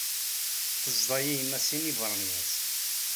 Tezḍa-yi yemma sin n yibernyas.